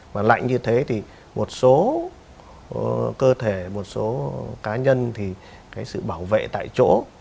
và lạnh như thế thì một số cơ thể một số cá nhân thì cái sự bảo vệ tại chỗ